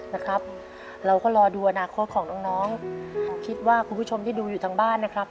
นะครับเราก็รอดูอนาคตของน้องน้องคิดว่าคุณผู้ชมที่ดูอยู่ทางบ้านนะครับ